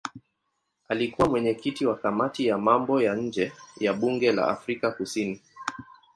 Alikuwa mwenyekiti wa kamati ya mambo ya nje ya bunge la Afrika Kusini.